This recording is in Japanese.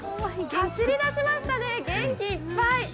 走り出しましたね、元気いっぱい。